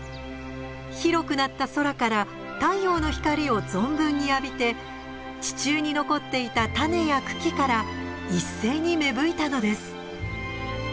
広くなった空から太陽の光を存分に浴びて地中に残っていた種や茎から一斉に芽吹いたのです。